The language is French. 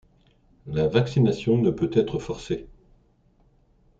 La vaccination ne peut être forcée.